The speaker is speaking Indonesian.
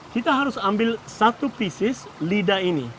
kita harus ambil satu pisis lidah ini